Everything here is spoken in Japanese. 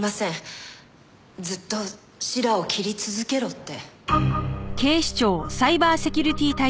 ずっと「しらを切り続けろ」って。